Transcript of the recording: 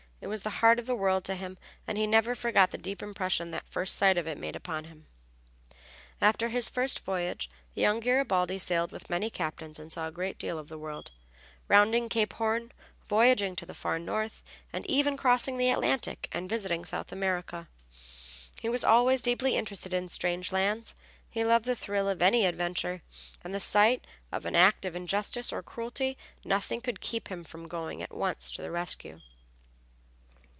It was the heart of the world to him, and he never forgot the deep impression that first sight of it made upon him. After his first voyage the young Garibaldi sailed with many captains and saw a great deal of the world, rounding Cape Horn, voyaging to the far north, and even crossing the Atlantic and visiting South America. He was always deeply interested in strange lands; he loved the thrill of any adventure, and at the sight of an act of injustice or cruelty nothing could keep him from going at once to the rescue.